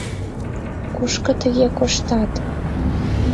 Кушко тыге коштат?